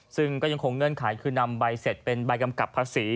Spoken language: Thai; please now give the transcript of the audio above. ซึ่งก็ยังคงเงื่อนไขคือนำใบเสร็จเป็นใบกำกับภาษี